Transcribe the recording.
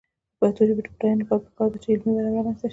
د پښتو ژبې د بډاینې لپاره پکار ده چې علمي وده رامنځته شي.